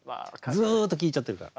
ずっと聴いちゃってるから。